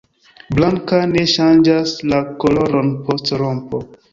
Blanka, ne ŝanĝas la koloron post rompo.